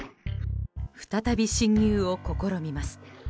再び侵入を試みます。